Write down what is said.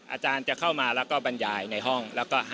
อาจารย์จะเข้ามาแล้วก็บรรยายในห้องแล้วก็